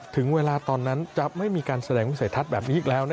ถึงเวลาตอนนั้นจะไม่มีการแสดงวิสัยทัศน์แบบนี้อีกแล้ว